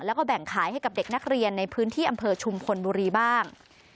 แล้วก็แบ่งขายให้กับเด็กนักเรียนในพื้นที่อำเภอชุมพลบุรีบ้าง